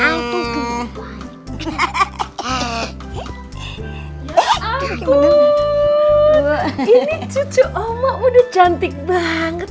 ini cucu omak mudah cantik banget